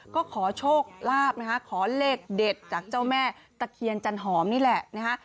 ก็ขอโชคลาภนะคะขอเลขเด็ดจากเจ้าแม่ตะเคียนจันหอมนี่แหละนะคะ